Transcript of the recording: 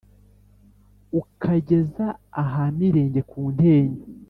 ukageza aha mirenge kuntenyo